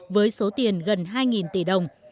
với số tiền gần hai tỷ đồng